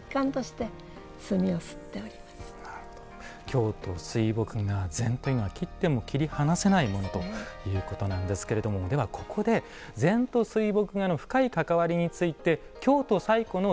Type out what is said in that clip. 京都水墨画禅というのは切っても切り離せないものということなんですけれどもではここで禅と水墨画の深い関わりについて京都最古の禅寺建仁寺からお伝えします。